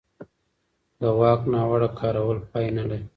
د واک ناوړه کارول پای نه لري